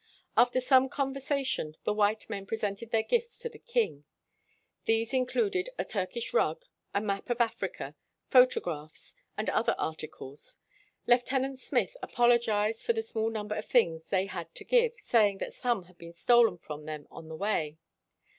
After some conversation, the white men presented their gifts to the king. These in cluded a Turkish rug, a map of Africa, photographs, and other articles. Lieuten ant Smith apologized for the small number of things they had to give, saying that some had been stolen from them on the way.